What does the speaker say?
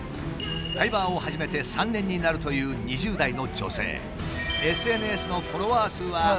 ライバーを始めて３年になるという２０代の女性。